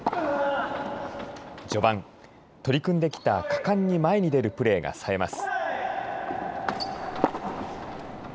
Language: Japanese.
序盤、取り組んできた果敢に前に出るプレーがさえます。